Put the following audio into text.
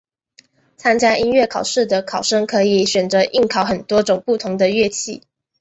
参加音乐考试的考生可以选择应考很多种不同的乐器。